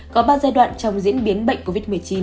có ba giai đoạn trong diễn biến bệnh covid một mươi chín